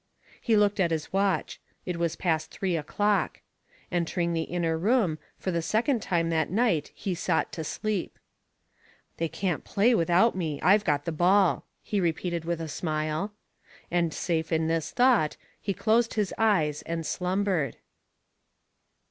He looked at his watch. It was past three o'clock. Entering the inner room, for the second time that night he sought to sleep. "They can't play without me I've got the ball," he repeated with a smile. And, safe in this thought, he closed his eyes, and slumbered.